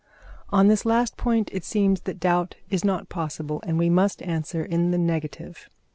On this last point it seems that doubt is not possible, and we must answer in the negative.